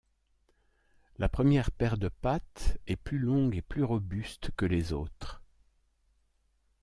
La première paire de pattes est plus longue et plus robuste que les autres.